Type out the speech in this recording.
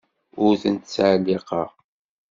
Ur tent-ttɛelliqeɣ.